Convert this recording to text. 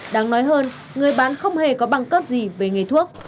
đáng nói hơn người bán không hề có bằng cấp gì về nghề thuốc